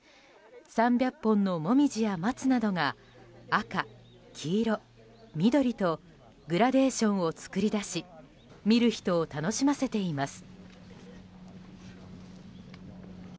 ３００本のモミジや松などが赤、黄色、緑とグラデーションを作り出し見る人を楽しませています。